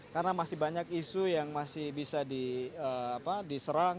karena masih banyak isu yang masih bisa diserang